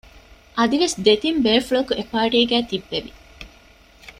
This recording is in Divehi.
އަދިވެސް ދެތިން ބޭފުޅަކު އެޕާޓީގައި ތިއްބެވި